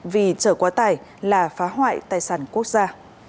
vì chở quá tải là phá hoại tài sản quốc gia